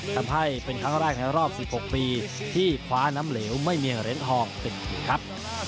ทำให้เป็นครั้งแรกในรอบ๑๖ปีที่คว้าน้ำเหลวไม่มีเหรียญทองเป็นทีมครับ